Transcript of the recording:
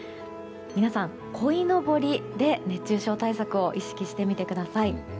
皆さん、こいのぼりで熱中症対策を意識してみてください。